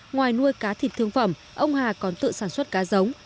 ngoài nuôi cá thịt thương phẩm ông hà còn tự sản xuất cá giống